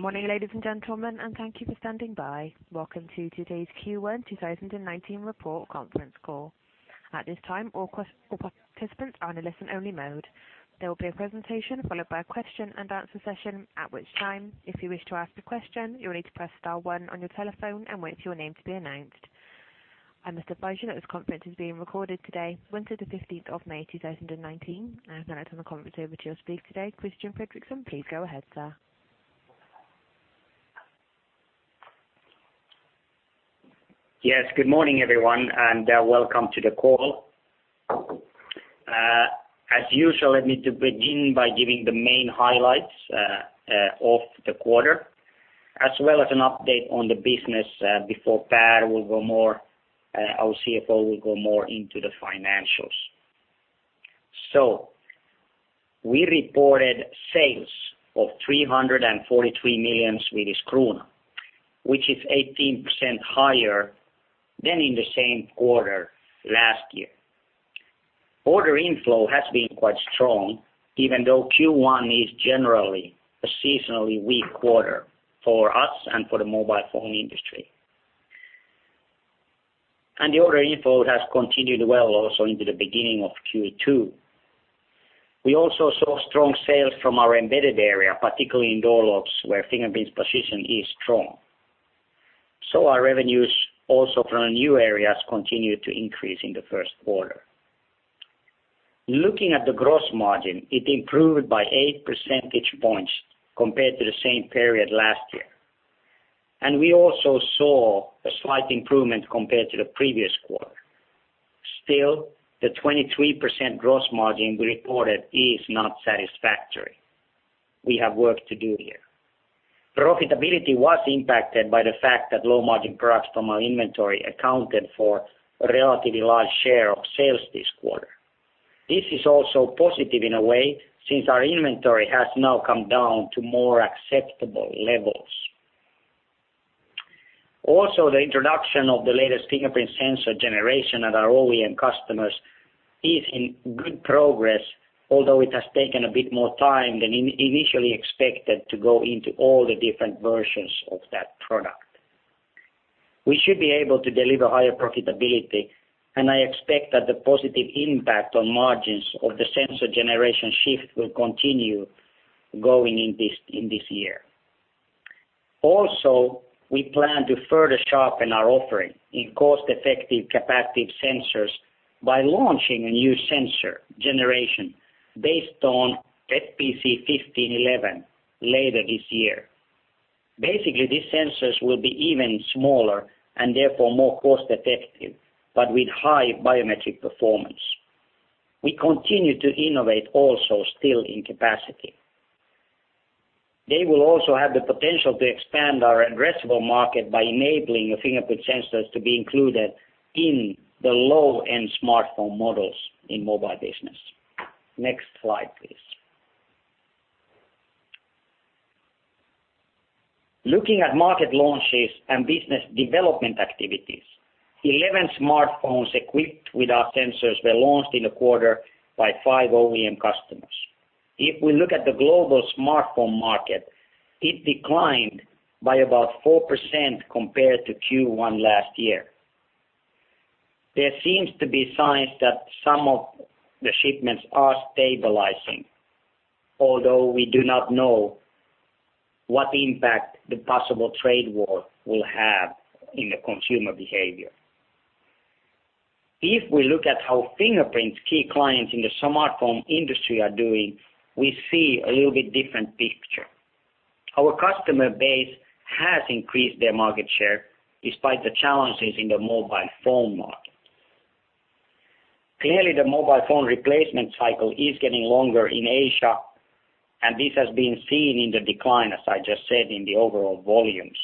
Good morning, ladies and gentlemen, and thank you for standing by. Welcome to today's Q1 2019 report conference call. At this time, all participants are in a listen-only mode. There will be a presentation followed by a question and answer session, at which time, if you wish to ask a question, you will need to press star one on your telephone and wait for your name to be announced. I must advise you that this conference is being recorded today, Wednesday the 15th of May, 2019. I'd now like to turn the conference over to your speaker today, Christian Fredrikson. Please go ahead, sir. Yes. Good morning, everyone, and welcome to the call. As usual, let me begin by giving the main highlights of the quarter as well as an update on the business before Per, our CFO, will go more into the financials. We reported sales of 343 million Swedish krona, which is 18% higher than in the same quarter last year. Order inflow has been quite strong even though Q1 is generally a seasonally weak quarter for us and for the mobile phone industry. The order inflow has continued well also into the beginning of Q2. We also saw strong sales from our embedded area, particularly in door locks where Fingerprint's position is strong. Our revenues also from new areas continued to increase in the first quarter. Looking at the gross margin, it improved by eight percentage points compared to the same period last year, and we also saw a slight improvement compared to the previous quarter. Still, the 23% gross margin we reported is not satisfactory. We have work to do here. Profitability was impacted by the fact that low-margin products from our inventory accounted for a relatively large share of sales this quarter. This is also positive in a way, since our inventory has now come down to more acceptable levels. Also, the introduction of the latest fingerprint sensor generation at our OEM customers is in good progress, although it has taken a bit more time than initially expected to go into all the different versions of that product. We should be able to deliver higher profitability, I expect that the positive impact on margins of the sensor generation shift will continue going in this year. Also, we plan to further sharpen our offering in cost-effective capacitive sensors by launching a new sensor generation based on FPC1511 later this year. Basically, these sensors will be even smaller and therefore more cost-effective, but with high biometric performance. We continue to innovate also still in capacity. They will also have the potential to expand our addressable market by enabling fingerprint sensors to be included in the low-end smartphone models in mobile business. Next slide, please. Looking at market launches and business development activities, 11 smartphones equipped with our sensors were launched in the quarter by five OEM customers. If we look at the global smartphone market, it declined by about 4% compared to Q1 last year. There seems to be signs that some of the shipments are stabilizing, although we do not know what impact the possible trade war will have in the consumer behavior. If we look at how Fingerprint's key clients in the smartphone industry are doing, we see a little bit different picture. Our customer base has increased their market share despite the challenges in the mobile phone market. Clearly, the mobile phone replacement cycle is getting longer in Asia, and this has been seen in the decline, as I just said, in the overall volumes.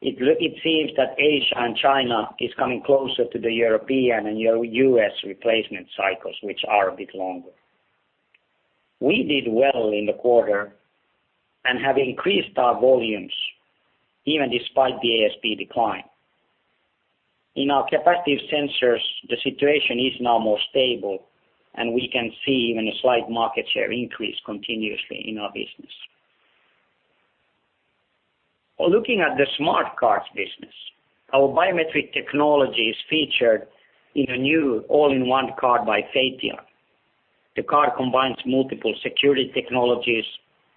It seems that Asia and China is coming closer to the European and U.S. replacement cycles, which are a bit longer. We did well in the quarter and have increased our volumes even despite the ASP decline. In our capacitive sensors, the situation is now more stable, and we can see even a slight market share increase continuously in our business. Looking at the smart cards business, our biometric technology is featured in a new all-in-one card by FEITIAN. The card combines multiple security technologies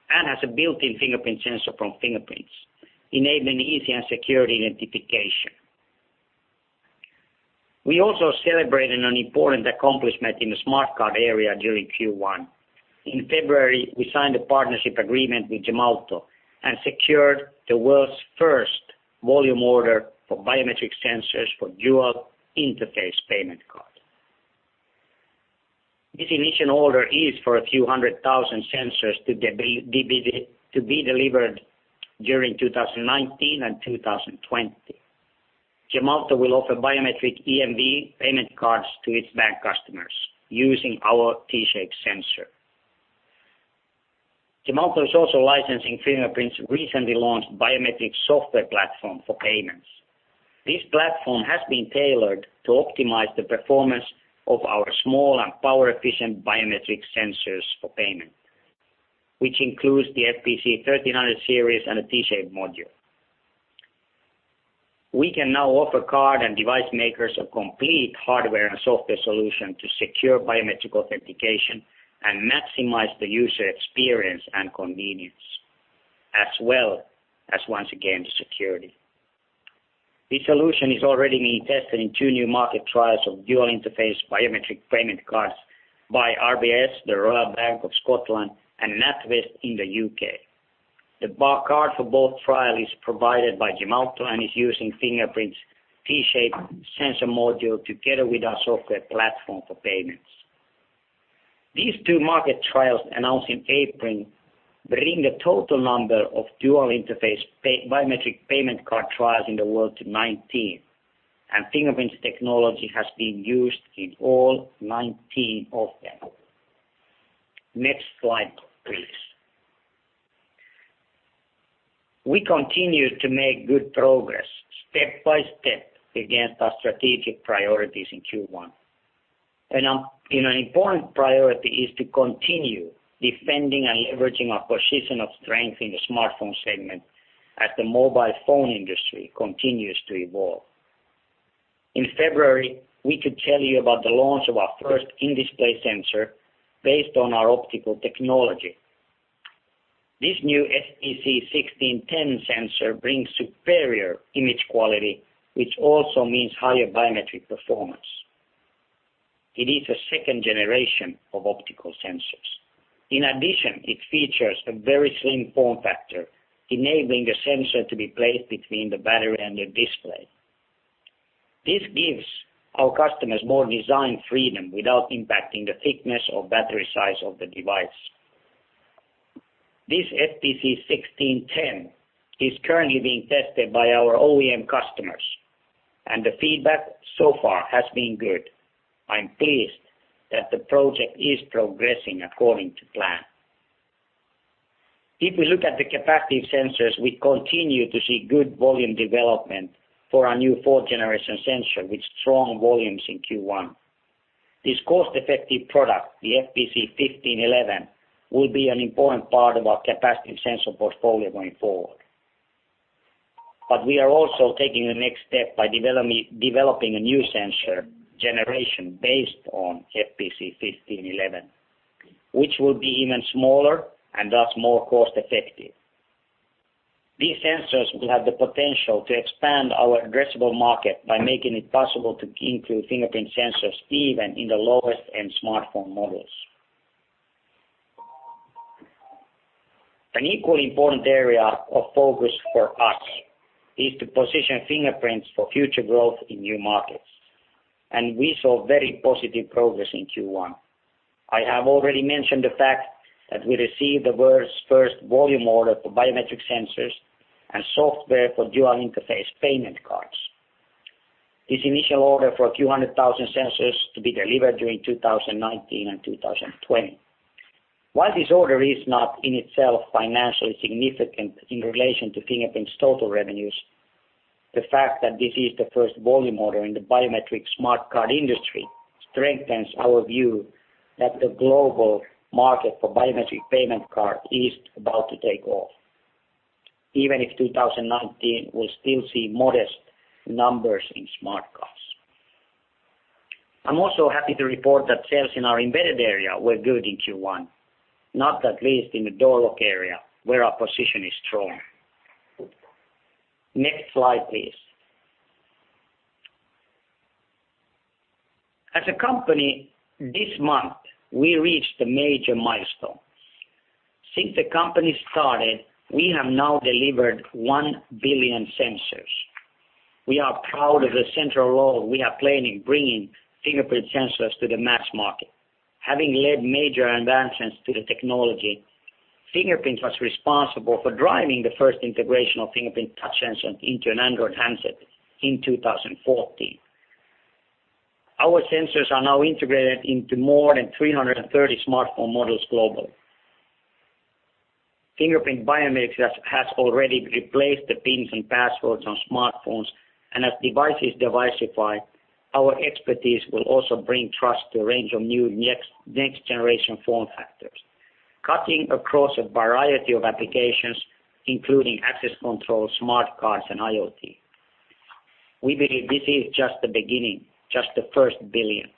and has a built-in fingerprint sensor from Fingerprint, enabling easy and secure identification. We also celebrated an important accomplishment in the smart card area during Q1. In February, we signed a partnership agreement with Gemalto and secured the world's first volume order for biometric sensors for dual-interface payment card. This initial order is for a few hundred thousand sensors to be delivered during 2019 and 2020. Gemalto will offer biometric EMV payment cards to its bank customers using our T-Shape sensor. Gemalto is also licensing Fingerprint's recently launched biometric software platform for payments. This platform has been tailored to optimize the performance of our small and power-efficient biometric sensors for payment, which includes the FPC1300 series and a T-Shape module. We can now offer card and device makers a complete hardware and software solution to secure biometric authentication and maximize the user experience and convenience as well as once again, the security. This solution is already being tested in two new market trials of dual-interface biometric payment cards by RBS, the Royal Bank of Scotland, and NatWest in the U.K. The card for both trial is provided by Gemalto and is using Fingerprint's T-Shape sensor module together with our software platform for payments. These two market trials announced in April bring the total number of dual-interface biometric payment card trials in the world to 19, and Fingerprint's technology has been used in all 19 of them. Next slide, please. We continue to make good progress step by step against our strategic priorities in Q1. An important priority is to continue defending and leveraging our position of strength in the smartphone segment as the mobile phone industry continues to evolve. In February, we could tell you about the launch of our first in-display sensor based on our optical technology. This new FPC1610 sensor brings superior image quality, which also means higher biometric performance. It is a second generation of optical sensors. In addition, it features a very slim form factor, enabling a sensor to be placed between the battery and the display. This gives our customers more design freedom without impacting the thickness or battery size of the device. This FPC1610 is currently being tested by our OEM customers, and the feedback so far has been good. I'm pleased that the project is progressing according to plan. We look at the capacitive sensors, we continue to see good volume development for our new fourth generation sensor with strong volumes in Q1. This cost-effective product, the FPC1511, will be an important part of our capacitive sensor portfolio going forward. We are also taking the next step by developing a new sensor generation based on FPC1511, which will be even smaller and thus more cost-effective. These sensors will have the potential to expand our addressable market by making it possible to include fingerprint sensors even in the lowest-end smartphone models. An equally important area of focus for us is to position fingerprints for future growth in new markets. We saw very positive progress in Q1. I have already mentioned the fact that we received the world's first volume order for biometric sensors and software for dual-interface payment cards. This initial order for a few hundred thousand sensors to be delivered during 2019 and 2020. While this order is not in itself financially significant in relation to Fingerprint Cards' total revenues, the fact that this is the first volume order in the biometric smart card industry strengthens our view that the global market for biometric payment card is about to take off, even if 2019 will still see modest numbers in smart cards. I'm also happy to report that sales in our embedded area were good in Q1, not at least in the door lock area where our position is strong. Next slide, please. As a company, this month, we reached a major milestone. Since the company started, we have now delivered 1 billion sensors. We are proud of the central role we have played in bringing fingerprint sensors to the mass market. Having led major advancements to the technology, Fingerprint Cards was responsible for driving the first integration of Fingerprint Cards touch sensor into an Android handset in 2014. Our sensors are now integrated into more than 330 smartphone models globally. Fingerprint biometrics has already replaced the pins and passwords on smartphones, and as devices diversify, our expertise will also bring trust to a range of new next-generation form factors, cutting across a variety of applications, including access control, smart cards, and IoT. We believe this is just the beginning, just the first billion.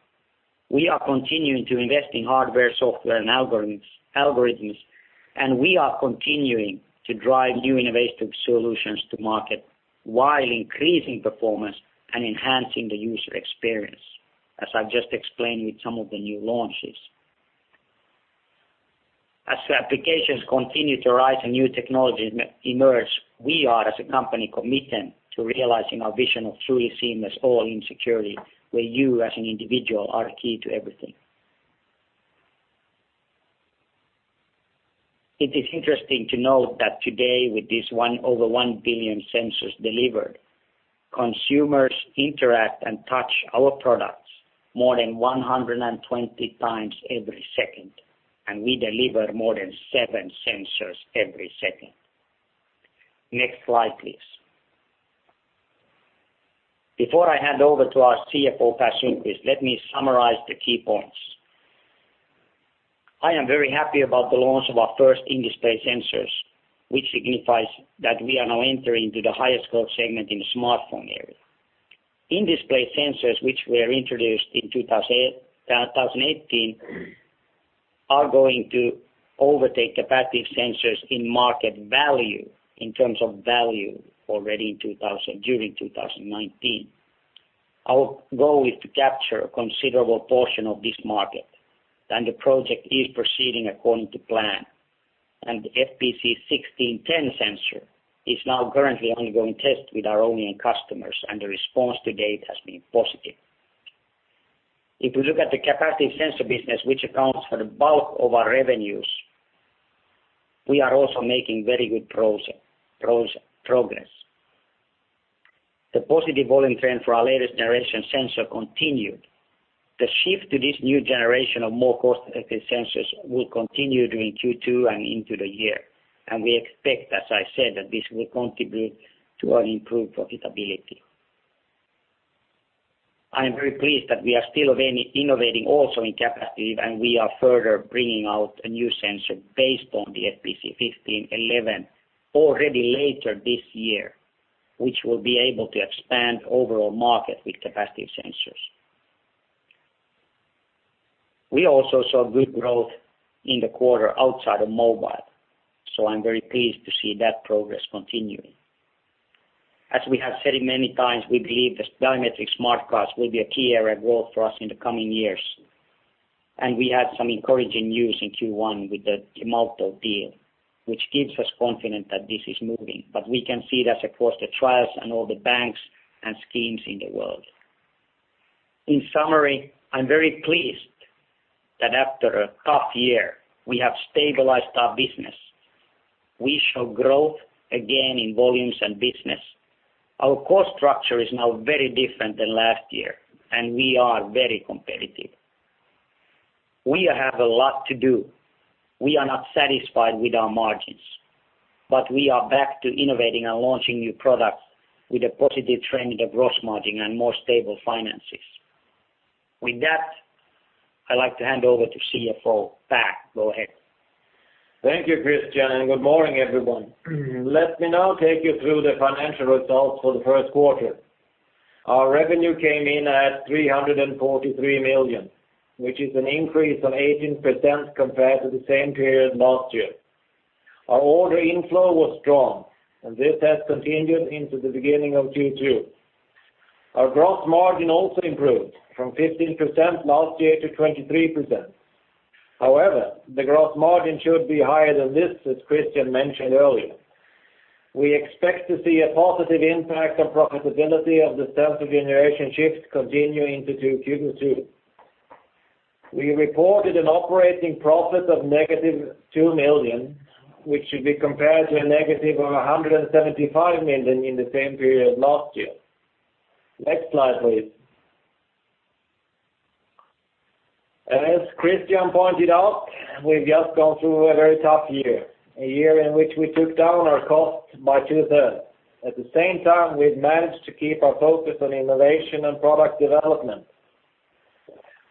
We are continuing to invest in hardware, software, and algorithms. We are continuing to drive new innovative solutions to market while increasing performance and enhancing the user experience, as I've just explained with some of the new launches. As the applications continue to rise and new technologies emerge, we are, as a company, committed to realizing our vision of truly seamless all-in security, where you, as an individual, are key to everything. It is interesting to note that today with these over 1 billion sensors delivered, consumers interact and touch our products more than 120 times every second. We deliver more than seven sensors every second. Next slide, please. Before I hand over to our CFO, Per Sundqvist, let me summarize the key points. I am very happy about the launch of our first in-display sensors, which signifies that we are now entering into the highest growth segment in the smartphone area. In-display sensors, which were introduced in 2018, are going to overtake capacitive sensors in market value, in terms of value, already during 2019. Our goal is to capture a considerable portion of this market, and the project is proceeding according to plan, and the FPC1610 sensor is now currently undergoing test with our OEM customers and the response to date has been positive. If we look at the capacitive sensor business, which accounts for the bulk of our revenues, we are also making very good progress. The positive volume trend for our latest generation sensor continued. The shift to this new generation of more cost-effective sensors will continue during Q2 and into the year. We expect, as I said, that this will contribute to our improved profitability. I am very pleased that we are still innovating also in capacitive, and we are further bringing out a new sensor based on the FPC1511 already later this year, which will be able to expand overall market with capacitive sensors. We also saw good growth in the quarter outside of mobile. I'm very pleased to see that progress continuing. As we have said many times, we believe this biometric smart cards will be a key area of growth for us in the coming years. We had some encouraging news in Q1 with the Gemalto deal, which gives us confidence that this is moving. We can see it as across the trials and all the banks and schemes in the world. In summary, I'm very pleased that after a tough year, we have stabilized our business. We show growth again in volumes and business. Our cost structure is now very different than last year, and we are very competitive. We have a lot to do. We are not satisfied with our margins, but we are back to innovating and launching new products with a positive trend in the gross margin and more stable finances. With that, I'd like to hand over to CFO, Per, go ahead. Thank you, Christian, and good morning, everyone. Let me now take you through the financial results for the first quarter. Our revenue came in at 343 million, which is an increase of 18% compared to the same period last year. Our order inflow was strong, and this has continued into the beginning of Q2. Our gross margin also improved from 15% last year to 23%. However, the gross margin should be higher than this, as Christian mentioned earlier. We expect to see a positive impact on profitability of the sensor generation shift continue into Q2. We reported an operating profit of negative 2 million, which should be compared to a negative 175 million in the same period last year. Next slide, please. As Christian pointed out, we've just gone through a very tough year, a year in which we took down our costs by two-thirds. At the same time, we've managed to keep our focus on innovation and product development,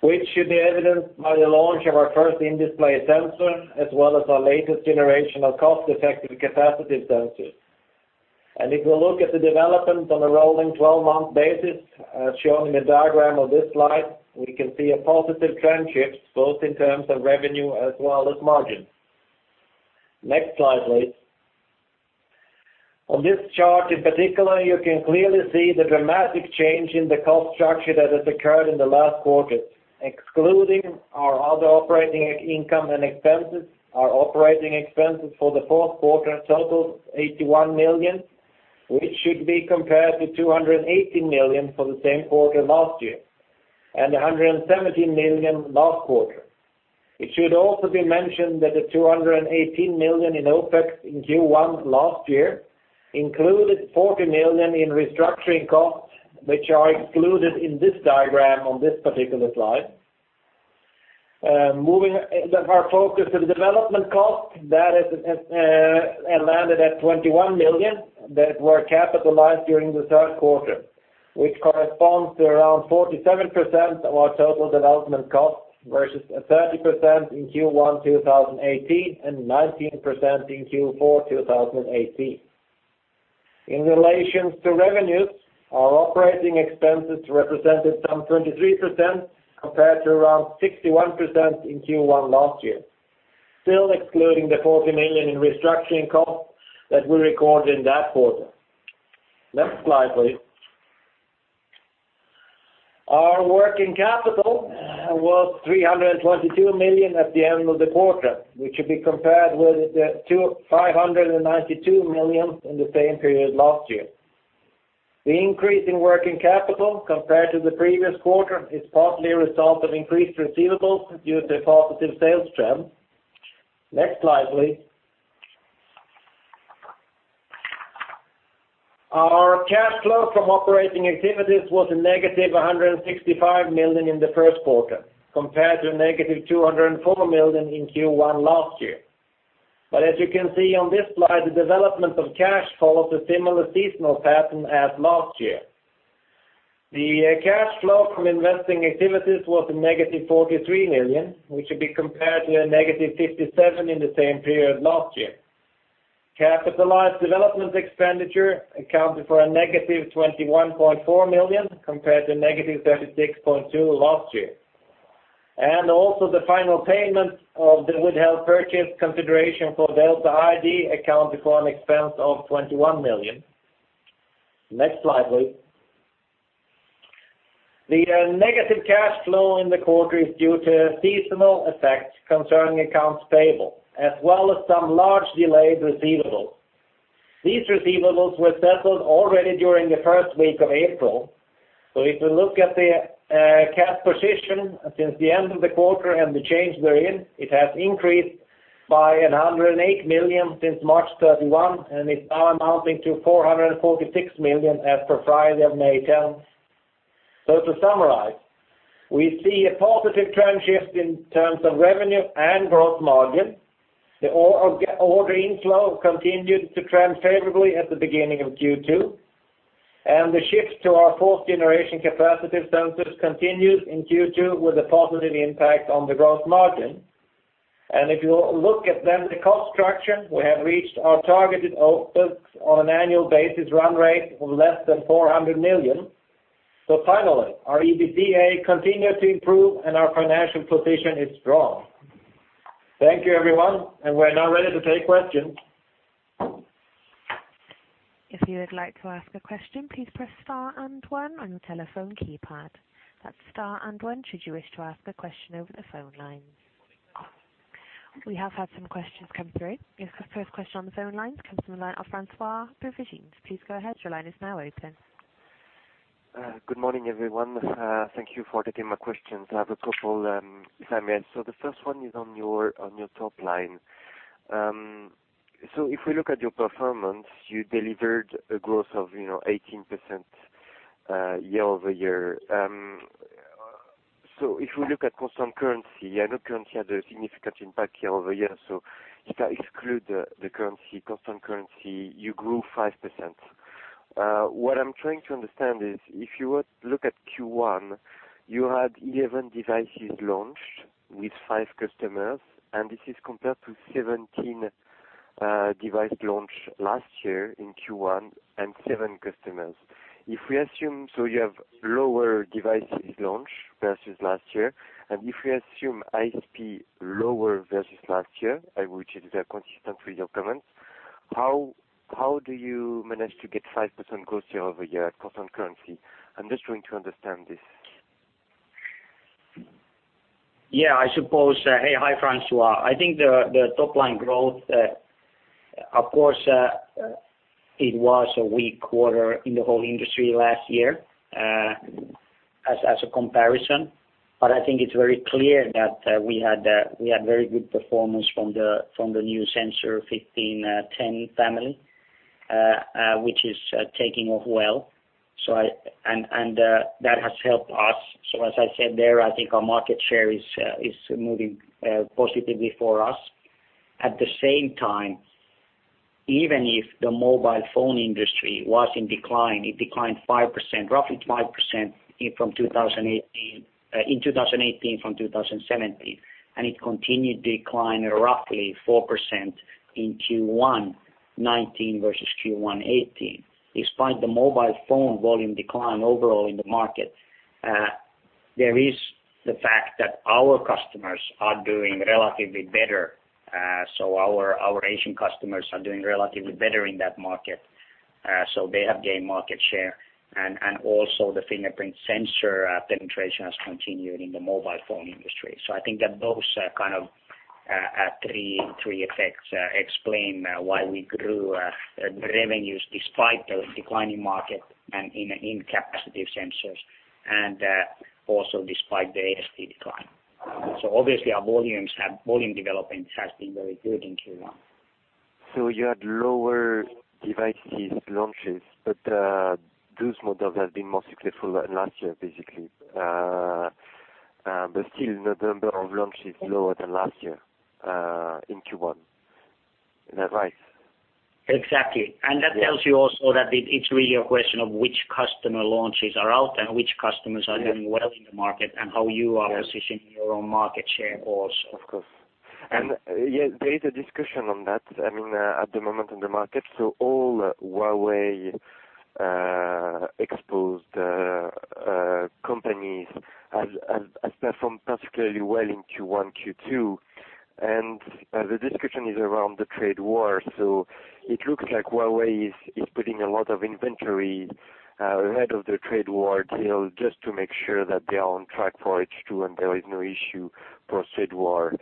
which should be evidenced by the launch of our first in-display sensor, as well as our latest generation of cost-effective capacitive sensors. If we look at the development on a rolling 12-month basis, as shown in the diagram of this slide, we can see a positive trend shift both in terms of revenue as well as margin. Next slide, please. On this chart, in particular, you can clearly see the dramatic change in the cost structure that has occurred in the last quarter. Excluding our other operating income and expenses, our operating expenses for the fourth quarter totals 81 million, which should be compared to 218 million for the same quarter last year and 117 million last quarter. It should also be mentioned that the 218 million in OPEX in Q1 last year included 40 million in restructuring costs, which are excluded in this diagram on this particular slide. Moving our focus to the development cost, that has landed at 21 million that were capitalized during the third quarter, which corresponds to around 47% of our total development cost, versus 30% in Q1 2018 and 19% in Q4 2018. In relations to revenues, our operating expenses represented some 23%, compared to around 61% in Q1 last year. Still excluding the 40 million in restructuring costs that we recorded in that quarter. Next slide, please. Our working capital was 322 million at the end of the quarter, which should be compared with the 592 million in the same period last year. The increase in working capital compared to the previous quarter is partly a result of increased receivables due to positive sales trend. Next slide, please. Our cash flow from operating activities was a negative 165 million in the first quarter, compared to a negative 204 million in Q1 last year. As you can see on this slide, the development of cash follows a similar seasonal pattern as last year. The cash flow from investing activities was a negative 43 million, which should be compared to a negative 57 million in the same period last year. Capitalized development expenditure accounted for a negative 21.4 million, compared to negative 36.2 million last year. The final payment of the withheld purchase consideration for Delta ID accounted for an expense of 21 million. Next slide, please. The negative cash flow in the quarter is due to seasonal effects concerning accounts payable, as well as some large delayed receivables. These receivables were settled already during the first week of April. If we look at the cash position since the end of the quarter and the change therein, it has increased by 108 million since March 31, and is now amounting to 446 million as per Friday of May 10th. To summarize, we see a positive trend shift in terms of revenue and gross margin. The order inflow continued to trend favorably at the beginning of Q2, the shift to our fourth-generation capacitive sensors continued in Q2 with a positive impact on the gross margin. If you look at then the cost structure, we have reached our targeted OPEX on an annual basis run rate of less than 400 million. Finally, our EBITDA continued to improve and our financial position is strong. Thank you, everyone, and we are now ready to take questions. If you would like to ask a question, please press star and one on your telephone keypad. That is star and one should you wish to ask a question over the phone lines. We have had some questions come through. The first question on the phone lines comes from the line of Francois Provistine. Please go ahead, your line is now open. Good morning, everyone. Thank you for taking my questions. I have a couple, Sami. The first one is on your top line. If we look at your performance, you delivered a growth of 18% year-over-year. If we look at constant currency, I know currency had a significant impact year-over-year, if I exclude the constant currency, you grew 5%. What I am trying to understand is, if you were to look at Q1, you had 11 devices launched with five customers, and this is compared to 17 device launch last year in Q1 and seven customers. You have lower devices launch versus last year, and if we assume ASP lower versus last year, which is consistent with your comments, how do you manage to get 5% growth year-over-year at constant currency? I am just trying to understand this. Yeah, I suppose. Hey, hi, Francois. I think the top line growth, of course, it was a weak quarter in the whole industry last year as a comparison. I think it is very clear that we had very good performance from the new sensor FPC1510 family, which is taking off well, and that has helped us. As I said there, I think our market share is moving positively for us. At the same time, even if the mobile phone industry was in decline, it declined roughly 5% in 2018 from 2017, and it continued decline at roughly 4% in Q1 2019 versus Q1 2018. Despite the mobile phone volume decline overall in the market, there is the fact that our customers are doing relatively better. Our Asian customers are doing relatively better in that market, so they have gained market share, and also the fingerprint sensor penetration has continued in the mobile phone industry. I think that those kind of three effects explain why we grew the revenues despite the declining market and in capacitive sensors, and also despite the ASP decline. Obviously our volume development has been very good in Q1. You had lower devices launches, but those models have been more successful than last year, basically. Still the number of launch is lower than last year in Q1. Is that right? Exactly. That tells you also that it's really a question of which customer launches are out and which customers are doing well in the market and how you are positioning your own market share also. Of course. There is a discussion on that, at the moment in the market. All Huawei exposed companies have performed particularly well in Q1, Q2, and the discussion is around the trade war. It looks like Huawei is putting a lot of inventory ahead of the trade war deal just to make sure that they are on track for H2 and there is no issue post trade war.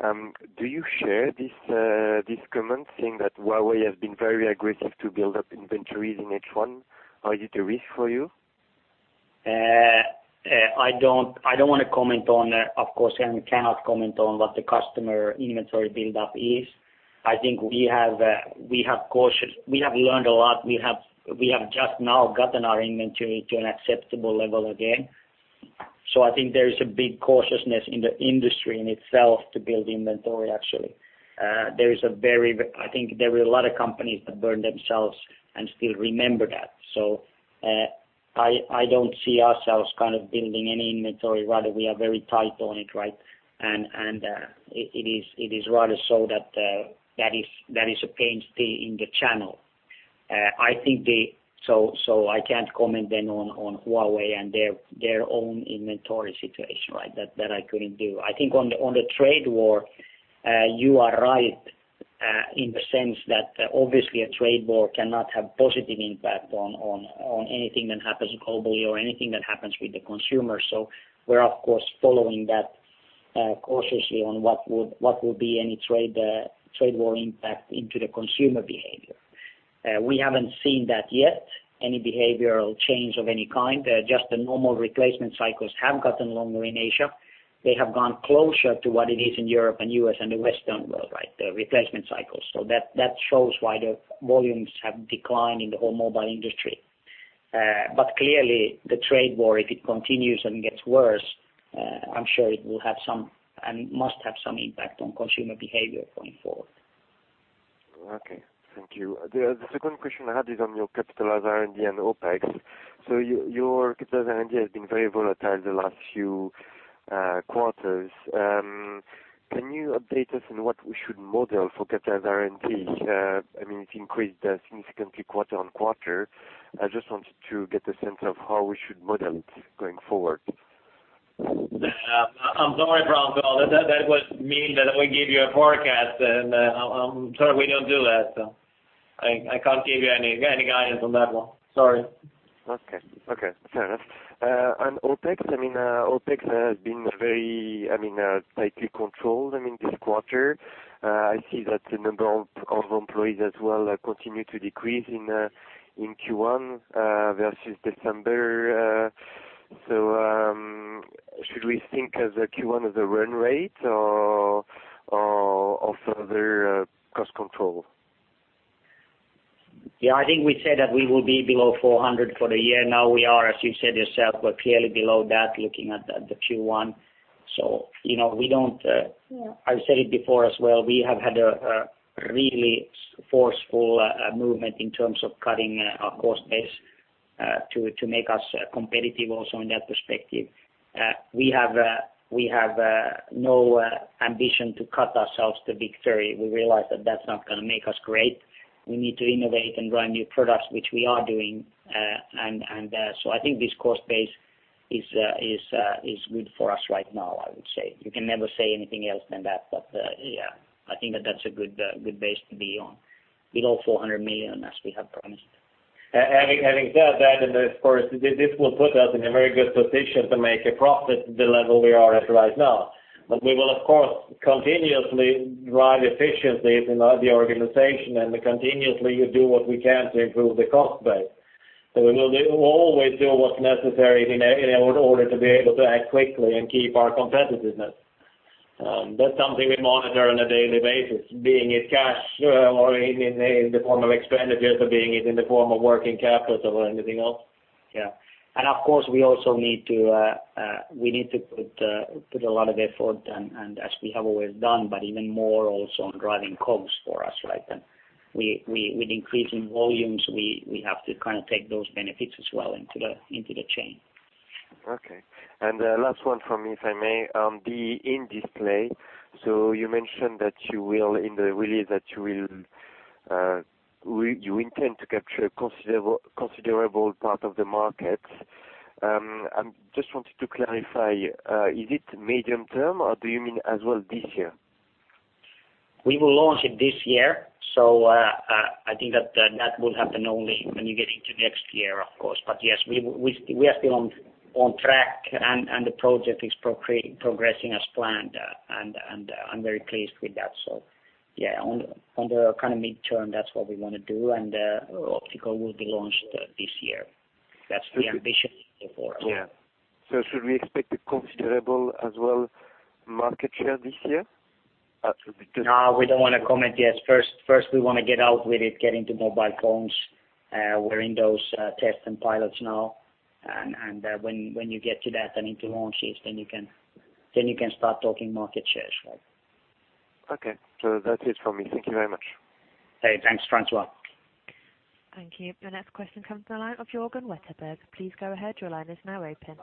Do you share this comment, saying that Huawei has been very aggressive to build up inventories in H1? Are you at risk for you? I don't want to comment on, of course, and cannot comment on what the customer inventory build-up is. I think we have learned a lot. We have just now gotten our inventory to an acceptable level again. I think there is a big cautiousness in the industry in itself to build inventory, actually. I think there were a lot of companies that burned themselves and still remember that. I don't see ourselves building any inventory. Rather, we are very tight on it. Right? It is rather so that is a pain still in the channel. I can't comment then on Huawei and their own inventory situation. That I couldn't do. I think on the trade war, you are right in the sense that obviously, a trade war cannot have positive impact on anything that happens globally or anything that happens with the consumer. We're, of course, following that cautiously on what will be any trade war impact into the consumer behavior. We haven't seen that yet, any behavioral change of any kind. Just the normal replacement cycles have gotten longer in Asia. They have gone closer to what it is in Europe and U.S. and the Western world. The replacement cycles. That shows why the volumes have declined in the whole mobile industry. Clearly, the trade war, if it continues and gets worse, I'm sure it will have some, and must have some impact on consumer behavior going forward. Okay. Thank you. The second question I had is on your capitalized R&D and OpEx. Your capitalized R&D has been very volatile the last few quarters. Can you update us on what we should model for capitalized R&D? It's increased significantly quarter-on-quarter. I just wanted to get the sense of how we should model it going forward. I'm sorry, Francois. That would mean that we give you a forecast, and I'm sorry, we don't do that. I can't give you any guidance on that one. Sorry. Okay. Fair enough. On OpEx has been very tightly controlled this quarter. I see that the number of employees as well continue to decrease in Q1 versus December. Should we think of the Q1 as a run rate or further cost control? Yeah, I think we said that we will be below 400 million for the year. Now we are, as you said yourself, we're clearly below that looking at the Q1. I've said it before as well, we have had a really forceful movement in terms of cutting our cost base to make us competitive also in that perspective. We have no ambition to cut ourselves to victory. We realize that that's not going to make us great. We need to innovate and run new products, which we are doing. I think this cost base is good for us right now, I would say. You can never say anything else than that. Yeah, I think that that's a good base to be on. Below 400 million, as we have promised. Having said that, of course, this will put us in a very good position to make a profit at the level we are at right now. We will, of course, continuously drive efficiency throughout the organization and continuously do what we can to improve the cost base. We will always do what's necessary in order to be able to act quickly and keep our competitiveness. That's something we monitor on a daily basis, being it cash or in the form of expenditures, or being it in the form of working capital or anything else. Yeah. Of course, we need to put a lot of effort, and as we have always done, but even more also on driving costs for us. With increasing volumes, we have to kind of take those benefits as well into the chain. Okay. Last one from me, if I may, on the in-display. You mentioned that you will, in the release, that you intend to capture a considerable part of the market. I just wanted to clarify, is it medium term, or do you mean as well this year? We will launch it this year. I think that will happen only when you get into next year, of course. Yes, we are still on track, and the project is progressing as planned. I'm very pleased with that. Yeah, on the kind of midterm, that's what we want to do, and optical will be launched this year. That's the ambition for it. Yeah. Should we expect a considerable as well market share this year? No, we don't want to comment yet. First, we want to get out with it, get into mobile phones. We're in those tests and pilots now. When you get to that and into launches, then you can start talking market shares. Okay. That's it from me. Thank you very much. Hey, thanks, Francois. Thank you. The next question comes from the line of Jörgen Wetterberg. Please go ahead. Your line is now open.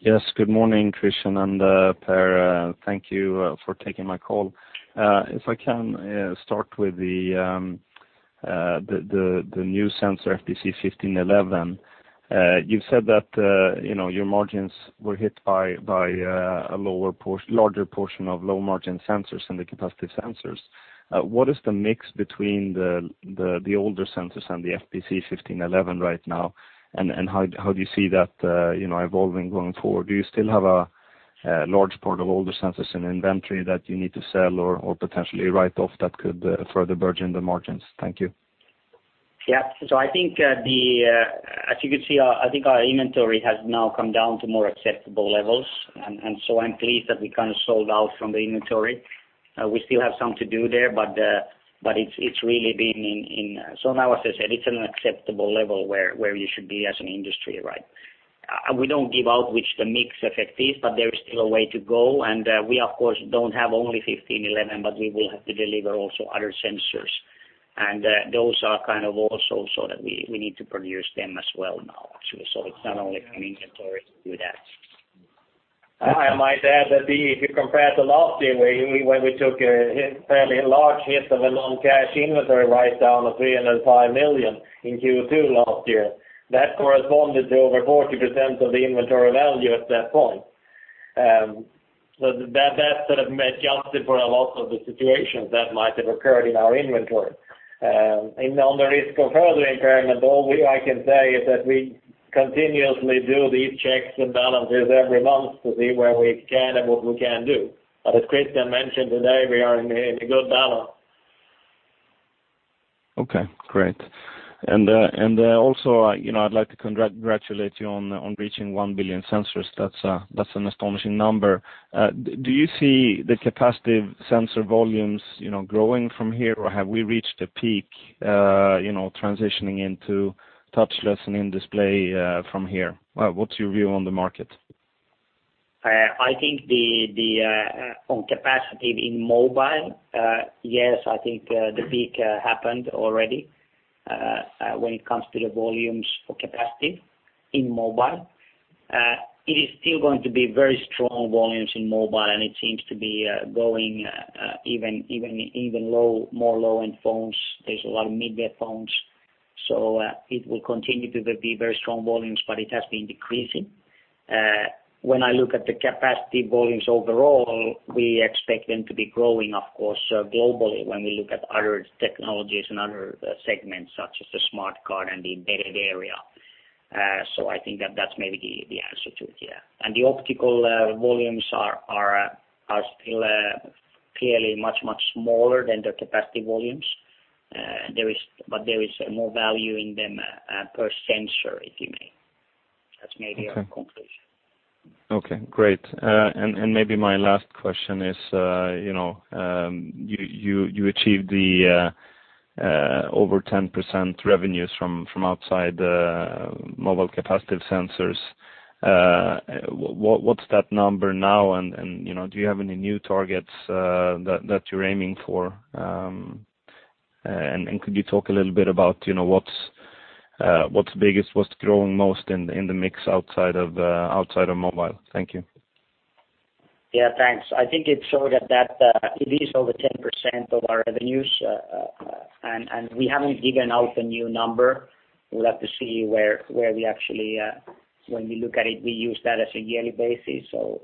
Yes. Good morning, Christian and Per. Thank you for taking my call. If I can start with the new sensor, FPC1511. You've said that your margins were hit by a larger portion of low-margin sensors than the capacitive sensors. What is the mix between the older sensors and the FPC1511 right now, and how do you see that evolving going forward? Do you still have a large part of older sensors in inventory that you need to sell or potentially write off that could further burden the margins. Thank you. Yeah. As you can see, I think our inventory has now come down to more acceptable levels. I'm pleased that we kind of sold out from the inventory. We still have some to do there, but it's really been in. Now, as I said, it's an acceptable level where you should be as an industry. We don't give out which the mix effect is, but there is still a way to go, and we, of course, don't have only FPC1511, but we will have to deliver also other sensors. Those are kind of also, so that we need to produce them as well now, actually. It's not only from inventory to do that. I might add that if you compare to last year, when we took a fairly large hit of a non-cash inventory write-down of 305 million in Q2 last year, that corresponded to over 40% of the inventory value at that point. That sort of adjusted for a lot of the situations that might have occurred in our inventory. On the risk of further impairment, all I can say is that we continuously do these checks and balances every month to see where we can and what we can do. As Christian mentioned today, we are in a good balance. Okay, great. Also, I'd like to congratulate you on reaching 1 billion sensors. That's an astonishing number. Do you see the capacitive sensor volumes growing from here, or have we reached a peak, transitioning into touchless and in-display, from here? What's your view on the market? I think on capacitive in mobile, yes, I think the peak happened already, when it comes to the volumes for capacitive in mobile. It is still going to be very strong volumes in mobile. It seems to be going even more low-end phones. There's a lot of mid-tier phones. It will continue to be very strong volumes, but it has been decreasing. When I look at the capacitive volumes overall, we expect them to be growing, of course, globally when we look at other technologies and other segments such as the smart card and the embedded area. I think that's maybe the answer to it, yeah. The optical volumes are still clearly much, much smaller than the capacitive volumes. There is more value in them per sensor, if you may. That's maybe a conclusion. Okay, great. Maybe my last question is, you achieved the over 10% revenues from outside mobile capacitive sensors. What's that number now? Do you have any new targets that you're aiming for? Could you talk a little bit about what's biggest, what's growing most in the mix outside of mobile? Thank you. Yeah, thanks. I think it showed that it is over 10% of our revenues. We haven't given out the new number. We'll have to see where we look at it, we use that as a yearly basis, so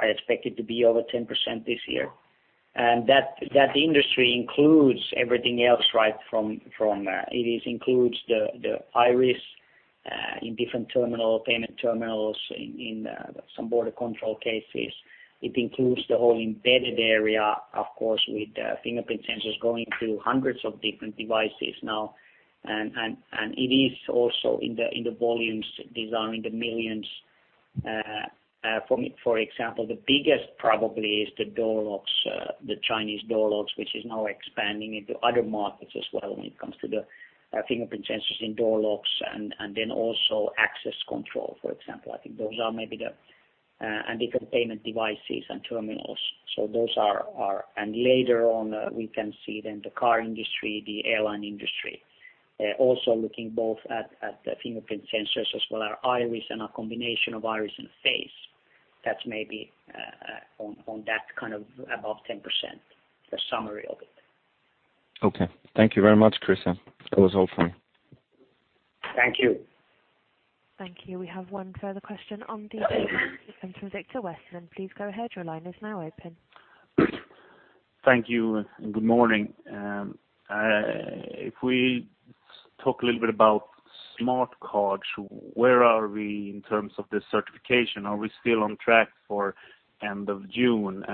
I expect it to be over 10% this year. That industry includes everything else, right? It includes the iris in different payment terminals in some border control cases. It includes the whole embedded area, of course, with fingerprint sensors going to hundreds of different devices now. It is also in the volumes designed in the millions. For example, the biggest probably is the door locks, the Chinese door locks, which is now expanding into other markets as well when it comes to the fingerprint sensors in door locks and then also access control, for example. I think those are maybe the. Different payment devices and terminals. Later on, we can see then the car industry, the airline industry. Also looking both at the fingerprint sensors as well, our iris and a combination of iris and face. That's maybe on that kind of above 10%, the summary of it. Okay. Thank you very much, Christian. That was all from me. Thank you. Thank you. We have one further question on the phone. It comes from Victor Westerlind. Please go ahead. Your line is now open. Thank you, and good morning. If we talk a little bit about smart cards, where are we in terms of the certification? Are we still on track for end of June?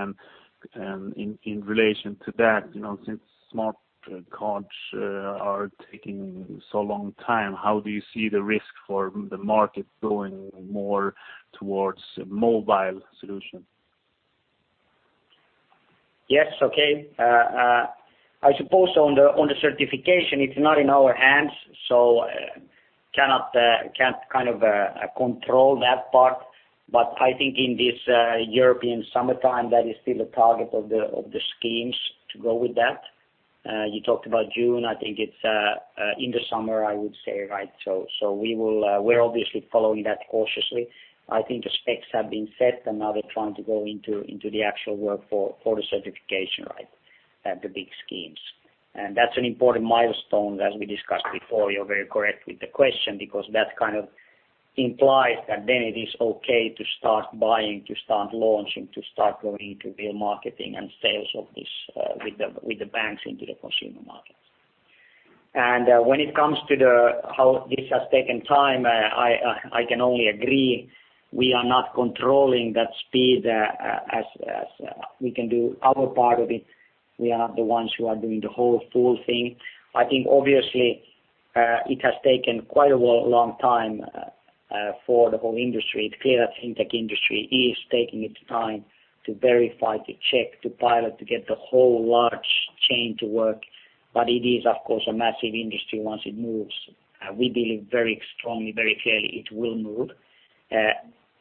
In relation to that, since smart cards are taking so long time, how do you see the risk for the market going more towards mobile solution? Yes. Okay. I suppose on the certification, it's not in our hands, so can't kind of control that part. I think in this European summertime, that is still a target of the schemes to go with that. You talked about June, I think it's in the summer, I would say, right? We're obviously following that cautiously. I think the specs have been set, and now they're trying to go into the actual work for the certification, the big schemes. That's an important milestone, as we discussed before. You're very correct with the question, because that kind of implies that then it is okay to start buying, to start launching, to start going into real marketing and sales of this with the banks into the consumer market. When it comes to how this has taken time, I can only agree. We are not controlling that speed as we can do our part of it. We are not the ones who are doing the whole full thing. I think obviously, it has taken quite a long time for the whole industry. It's clear that fintech industry is taking its time to verify, to check, to pilot, to get the whole large chain to work. It is, of course, a massive industry once it moves. We believe very strongly, very clearly it will move.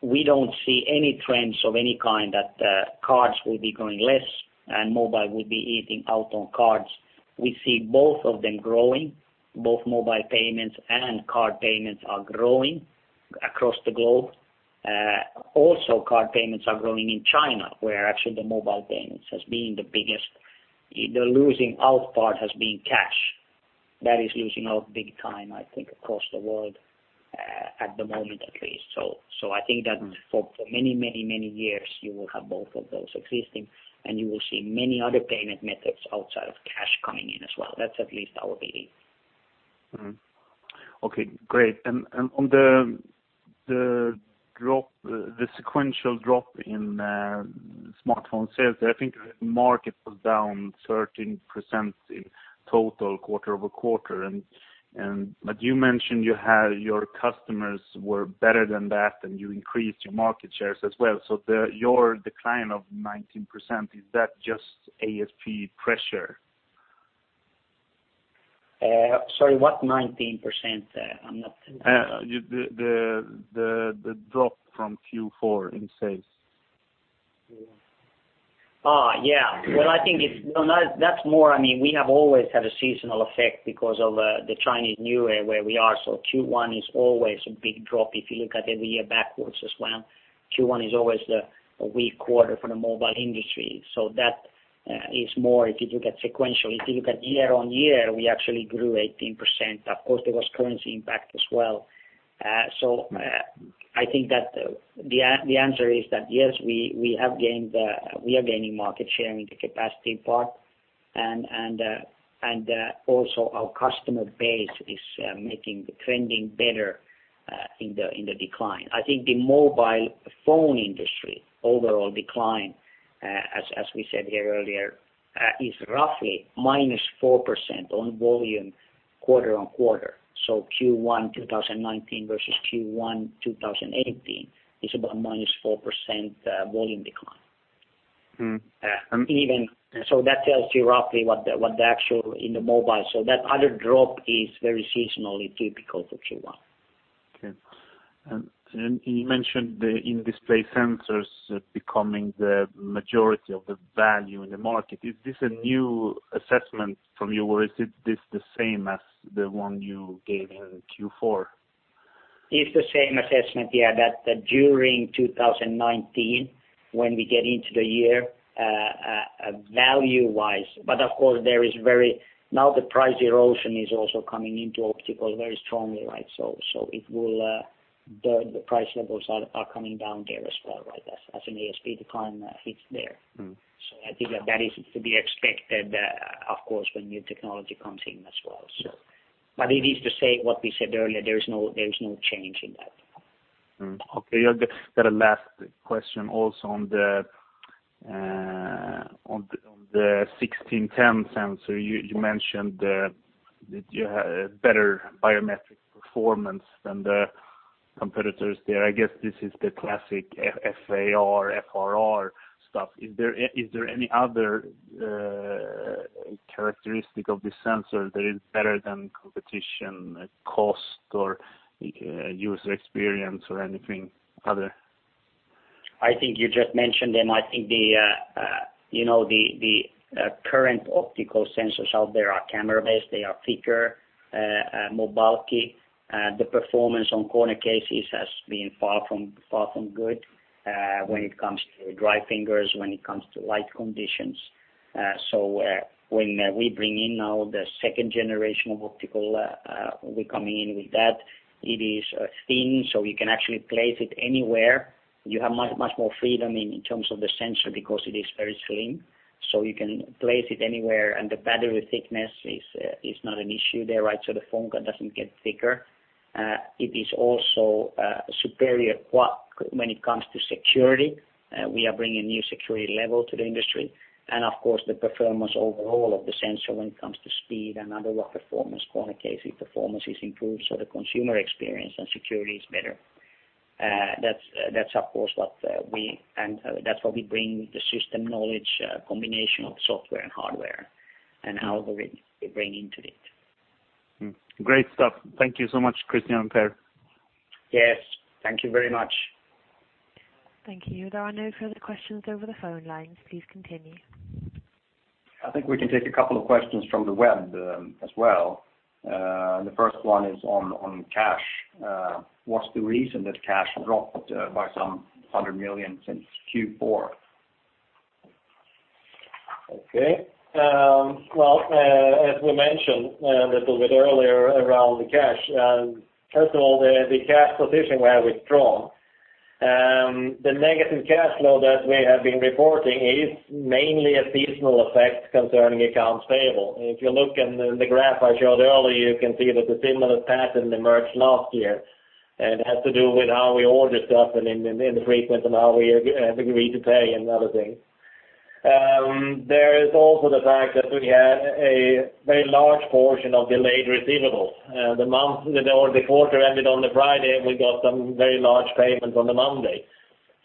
We don't see any trends of any kind that cards will be going less and mobile will be eating out on cards. We see both of them growing, both mobile payments and card payments are growing across the globe. Card payments are growing in China, where actually the mobile payments has been the biggest. The losing out part has been cash. That is losing out big time, I think, across the world, at the moment at least. I think that for many years, you will have both of those existing, and you will see many other payment methods outside of cash coming in as well. That's at least our belief. Okay, great. On the sequential drop in smartphone sales, I think the market was down 13% in total quarter-over-quarter. You mentioned your customers were better than that, and you increased your market shares as well. Your decline of 19%, is that just ASP pressure? Sorry, what 19%? The drop from Q4 in sales. Yeah. We have always had a seasonal effect because of the Chinese New Year, where we are. Q1 is always a big drop if you look at every year backwards as well. Q1 is always a weak quarter for the mobile industry. That is more if you look at sequential. If you look at year-on-year, we actually grew 18%. Of course, there was currency impact as well. I think that the answer is that, yes, we are gaining market share in the capacity part, and also our customer base is making the trending better in the decline. I think the mobile phone industry overall decline, as we said here earlier, is roughly minus 4% on volume quarter-on-quarter. Q1 2019 versus Q1 2018 is about minus 4% volume decline. That tells you roughly what the actual in the mobile. That other drop is very seasonally typical for Q1. Okay. You mentioned the in-display sensors becoming the majority of the value in the market. Is this a new assessment from you, or is this the same as the one you gave in Q4? It's the same assessment, yeah. That during 2019, when we get into the year, value-wise, but of course now the price erosion is also coming into optical very strongly, right? The price levels are coming down there as well, right? As an ASP decline hits there. I think that is to be expected, of course, when new technology comes in as well. It is to say what we said earlier, there is no change in that. Okay. I've got a last question also on the 1610 sensor. You mentioned that you had a better biometric performance than the competitors there. I guess this is the classic FAR, FRR stuff. Is there any other characteristic of this sensor that is better than competition, cost or user experience or anything other? I think you just mentioned, and I think the current optical sensors out there are camera based. They are thicker, more bulky. The performance on corner cases has been far from good, when it comes to dry fingers, when it comes to light conditions. When we bring in now the second generation of optical, we come in with that. It is thin, so you can actually place it anywhere. You have much more freedom in terms of the sensor because it is very slim. You can place it anywhere and the battery thickness is not an issue there, right? The phone doesn't get thicker. It is also superior when it comes to security. We are bringing new security level to the industry, and of course, the performance overall of the sensor when it comes to speed and under water performance, corner case performance is improved, so the consumer experience and security is better. That's of course what we bring the system knowledge, combination of software and hardware, and how we bring into it. Great stuff. Thank you so much, Christian and Per. Yes. Thank you very much. Thank you. There are no further questions over the phone lines. Please continue. I think we can take a couple of questions from the web as well. The first one is on cash. What's the reason that cash dropped by some 100 million since Q4? Okay. Well, as we mentioned a little bit earlier On the cash. First of all, the cash position we have withdrawn. The negative cash flow that we have been reporting is mainly a seasonal effect concerning accounts payable. If you look in the graph I showed earlier, you can see that a similar pattern emerged last year, and it has to do with how we order stuff and in the frequency and how we agree to pay and other things. There is also the fact that we had a very large portion of delayed receivables. The quarter ended on the Friday, and we got some very large payments on the Monday.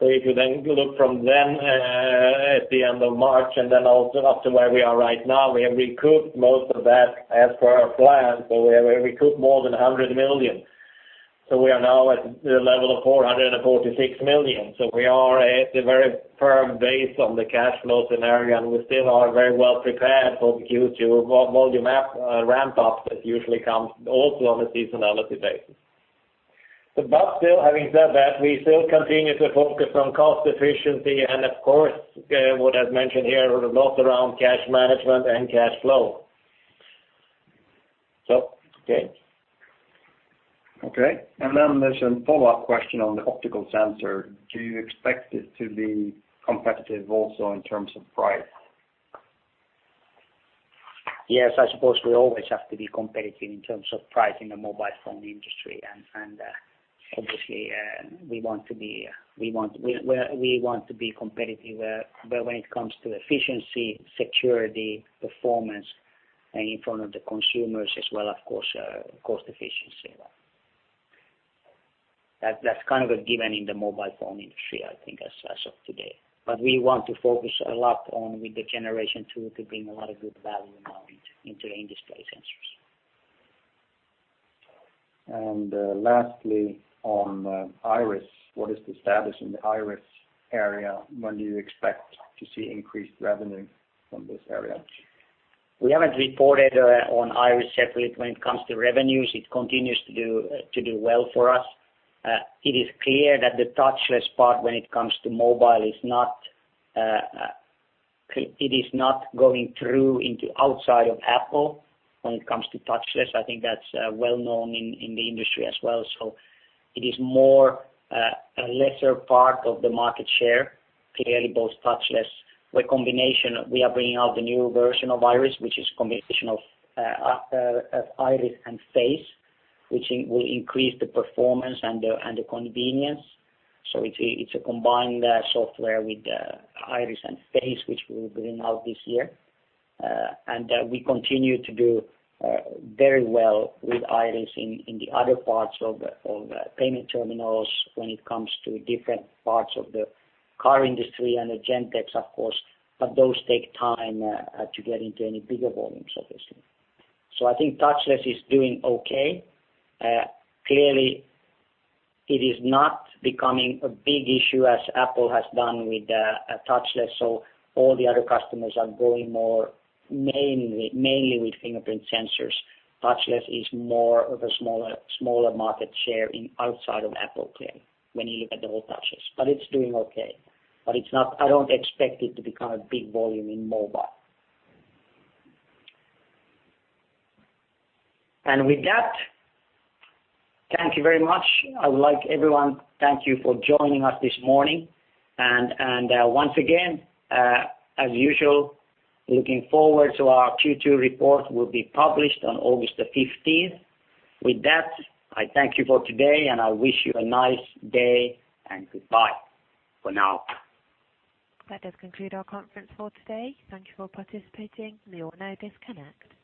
If you then look from then at the end of March and then also up to where we are right now, we have recouped most of that as per our plan. We recouped more than 100 million. We are now at the level of 446 million. We are at a very firm base on the cash flow scenario, and we still are very well prepared for the Q2 volume ramp up that usually comes also on a seasonality basis. Still, having said that, we still continue to focus on cost efficiency and of course, what I've mentioned here a lot around cash management and cash flow. Okay. Okay. Then there's a follow-up question on the optical sensor. Do you expect it to be competitive also in terms of price? Yes, I suppose we always have to be competitive in terms of pricing a mobile phone industry. Obviously, we want to be competitive. When it comes to efficiency, security, performance, and in front of the consumers as well, of course, cost efficiency. That's kind of a given in the mobile phone industry, I think, as of today. We want to focus a lot on with the generation tool to bring a lot of good value now into in-display sensors. Lastly on Iris, what is the status in the Iris area? When do you expect to see increased revenue from this area? We haven't reported on Iris separately when it comes to revenues. It continues to do well for us. It is clear that the touchless part when it comes to mobile, it is not going through into outside of Apple when it comes to touchless. I think that's well known in the industry as well. It is more a lesser part of the market share. Clearly, both touchless, where combination, we are bringing out the new version of Iris, which is a combination of Iris and Face, which will increase the performance and the convenience. It's a combined software with Iris and Face, which we'll bring out this year. We continue to do very well with iris in the other parts of payment terminals when it comes to different parts of the car industry and the Gentex, of course, but those take time to get into any bigger volumes, obviously. I think touchless is doing okay. Clearly, it is not becoming a big issue as Apple has done with touchless, so all the other customers are going more mainly with fingerprint sensors. Touchless is more of a smaller market share outside of Apple, clearly, when you look at the whole touchless, but it is doing okay. I don't expect it to become a big volume in mobile. With that, thank you very much. I would like everyone, thank you for joining us this morning. Once again, as usual, looking forward to our Q2 report will be published on August 15th. With that, I thank you for today, and I wish you a nice day, and goodbye for now. That does conclude our conference call today. Thank you for participating. You all now disconnect.